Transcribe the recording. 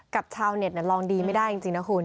กับชาวเน็ตนั้นลองดีไม่ได้จริงนะคุณ